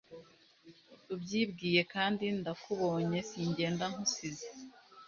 ubyibwiye kandi ndakubonye singenda nkusize